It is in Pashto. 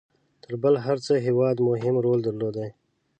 تر بل هر هیواد مهم رول درلودی.